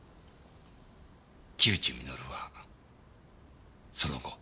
木内稔はその後？